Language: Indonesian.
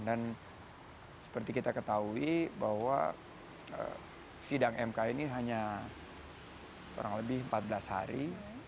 dan seperti kita ketahui bahwa sidang mk ini hanya kurang lebih empat belas hari